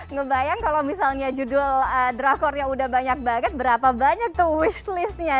ngebayang kalau misalnya judul drakornya udah banyak banget berapa banyak tuh wish listnya